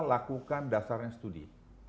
lakukan dasarnya studi